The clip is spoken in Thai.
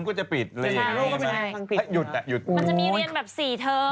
สั้นก็จะปิดหรือยังไงถ้ายุดแหละอยู่มันมีเรียนแบบ๔เทอม